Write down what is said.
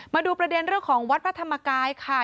มาดูประเด็นเรื่องของวัดพระธรรมกายค่ะ